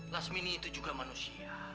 lasmini itu juga manusia